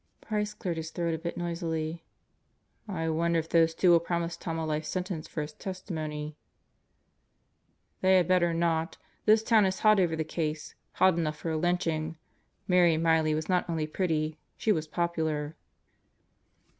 Price cleared his throat a bit noisily. "I wonder if those two will promise Tom a life sentence for his testimony." "They had better not. This town is hot over the case. Hot enough for a lynching. Marion Miley was not only pretty, she was popular."